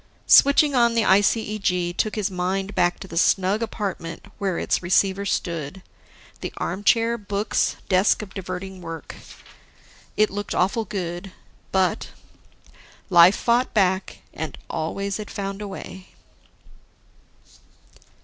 Switching on the ICEG took his mind back to the snug apartment where its receiver stood, the armchair, books, desk of diverting work. It looked awful good, but ... life fought back, and always it found a way.